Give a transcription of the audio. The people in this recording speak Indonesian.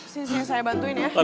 sini saya bantuin ya